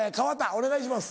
お願いします。